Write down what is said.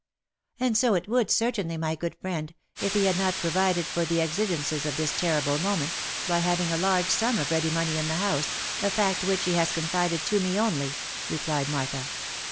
" And so it would, certainly, my good friend, if he had not pro vided for the exigences of this terrible moment, by having a large sum of ready money in the house, a fact which he has confided to me only," replied Martha.